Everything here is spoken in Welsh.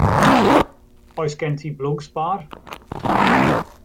Oes gen ti blwg sbâr?